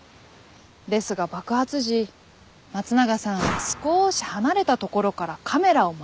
ですが爆発時松永さんは少し離れた所からカメラを回していた。